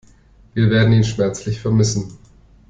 Wir werden ihn schmerzlich vermissen.